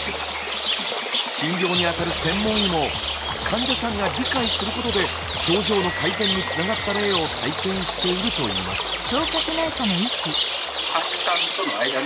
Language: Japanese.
診療に当たる専門医も患者さんが理解することで症状の改善につながった例を体験していると言います。